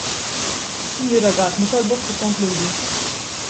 Sinjura Gatt nitolbok tikkonkludi.